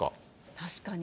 確かに。